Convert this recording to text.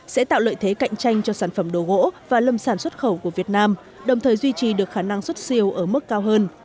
sẽ tạo lợi thế cạnh tranh cho sản phẩm đồ gỗ và lâm sản xuất khẩu của việt nam đồng thời duy trì được khả năng xuất siêu ở mức cao hơn